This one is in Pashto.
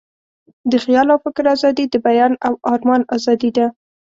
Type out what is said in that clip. د خیال او فکر آزادي، د بیان او آرمان آزادي ده.